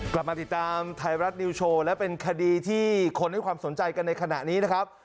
กลับมาติดตามไทยรัฐนิวโชว์และเป็นคดีที่คนให้ความสนใจกันในขณะนี้นะครับ